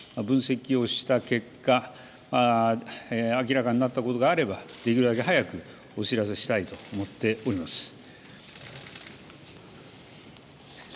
分析をした結果、明らかになったことがあればできるだけ早くお知らせしたいと思っております。